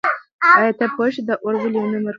آیا ته پوهېږې چې دا اور ولې نه مړ کېږي؟